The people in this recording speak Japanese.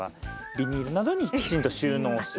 ビニールなどにきちんと収納する。